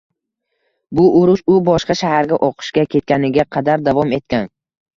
Bu urush u boshqa shaharga o‘qishga ketganiga qadar davom etgan.